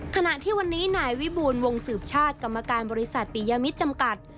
ขณะที่วันนี้นายวิบูลวงสืบชาติกรรมการบริษัทปียมิตรจำกัด